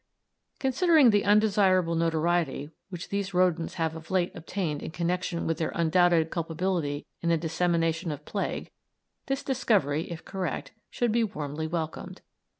Considering the undesirable notoriety which these rodents have of late obtained in connection with their undoubted culpability in the dissemination of plague, this discovery, if correct, should be warmly welcomed.